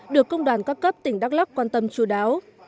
được công đoàn các cấp tỉnh đắk lắc quan tâm chú đáo